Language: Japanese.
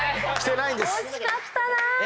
惜しかったな。